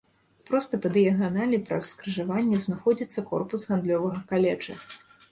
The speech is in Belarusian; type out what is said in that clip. Проста па дыяганалі праз скрыжаванне знаходзіцца корпус гандлёвага каледжа.